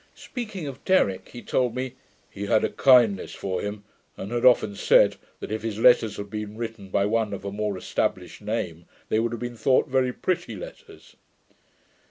Speaking of Derrick, he told me he had a kindness for him, and had often said, that if his letters had been written by one of a more established name, they would have been thought very pretty letters.